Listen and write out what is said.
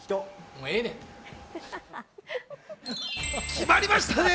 決まりましたね！